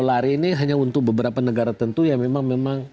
lari ini hanya untuk beberapa negara tentu yang memang